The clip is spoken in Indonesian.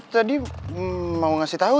tadi mau ngasih tau